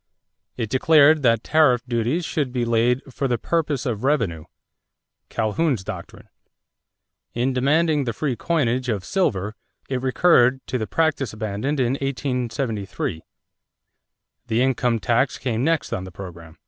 It declared that tariff duties should be laid "for the purpose of revenue" Calhoun's doctrine. In demanding the free coinage of silver, it recurred to the practice abandoned in 1873. The income tax came next on the program.